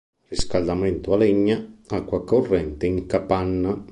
Riscaldamento a legna, acqua corrente in capanna.